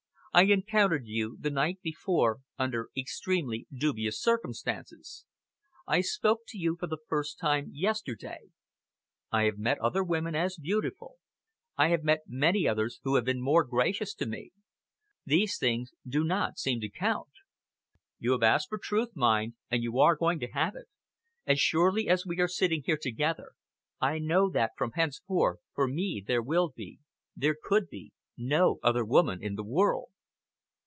I encountered you the night before under extremely dubious circumstances. I spoke to you for the first time yesterday. I have met other women as beautiful, I have met many others who have been more gracious to me. These things do not seem to count. You have asked for truth, mind, and you are going to have it. As surely as we are sitting here together, I know that, from henceforth, for me there will be there could be no other woman in the world!"